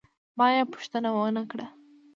ما یې پوښتنه ونه کړه.